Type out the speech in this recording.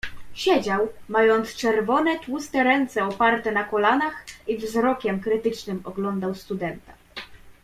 "Siedział, mając czerwone tłuste ręce oparte na kolanach i wzrokiem krytycznym oglądał studenta."